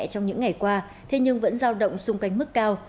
trong những ngày qua thế nhưng vẫn giao động xung quanh mức cao